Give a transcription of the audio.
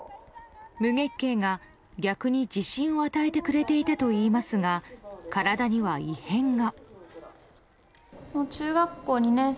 無月経が逆に自信を与えてくれていたといいますが体には異変が。